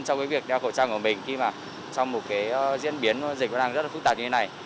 trong việc đeo khẩu trang của mình khi mà trong một diễn biến dịch đang rất phức tạp như thế này